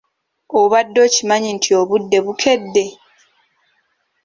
Obadde okimanyi nti obudde bukedde?